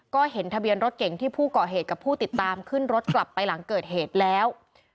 ก็เห็นทะเบียนรถเก่งที่ผู้ก่อเหตุกับผู้ติดตามขึ้นรถกลับไปหลังเกิดเหตุแล้ว